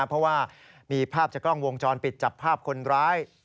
เพราะว่ามีภาพจากกล้องวงจรปิดจับภาพคนร้าย